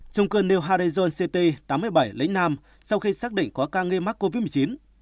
chung cư new harrison city tám mươi bảy lĩnh nam sau khi xác định có ca nghi mắc covid một mươi chín